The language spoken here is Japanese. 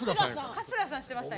春日さんしてました